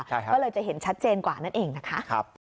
ก็เลยจะเห็นชัดเจนกว่านั่นเองนะคะ